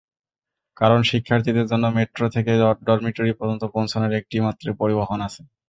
কারণ, শিক্ষার্থীদের জন্য মেট্রো থেকে ডরমিটরি পর্যন্ত পৌঁছানোর একটি মাত্রই পরিবহন আছে।